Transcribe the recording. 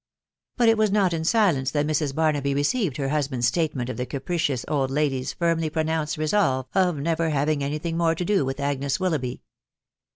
But it was not in silence that Mrs. Barnaby received her husband's statement of the capricious old lady's firmly pro nounced resolve of never having any thing more to do with Agnes Willoughby.